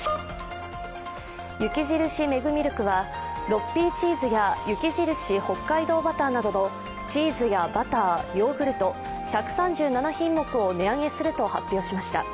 雪印メグミルクは６Ｐチーズや雪印北海道バターなどのチーズやバター、ヨーグルト、１３７品目を値上げすると発表しました。